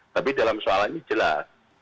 tapi dalam soalannya jelas